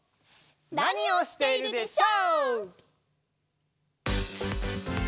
「なにをしているでショー？」！